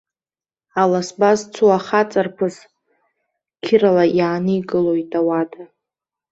Аласба зцу ахаҵарԥыс қьырала иааникылоит ауада.